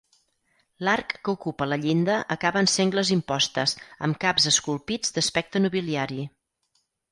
L'arc que ocupa la llinda acaba en sengles impostes amb caps esculpits d'aspecte nobiliari.